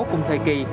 cùng thời kỳ